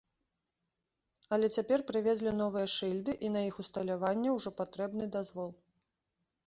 Але цяпер прывезлі новыя шыльды, і на іх усталяванне ўжо патрэбны дазвол.